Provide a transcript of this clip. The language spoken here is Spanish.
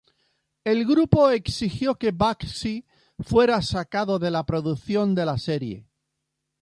El grupo exigió que Bakshi fuera sacado de la producción de la serie.